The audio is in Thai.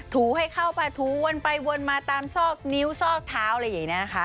ถูให้เข้าป่าถูวนไปวนมาตามซอกนิ้วซอกเท้าอะไรอย่างนี้นะคะ